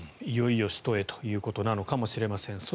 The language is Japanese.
いよいよ首都へということなのかもしれません。